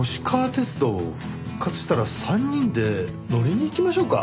鐵道復活したら３人で乗りに行きましょうか。